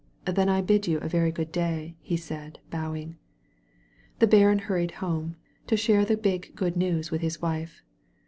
"Then I bid you a very good day," he said, bowing. The baron hurried home,, to share the big good news with his wife.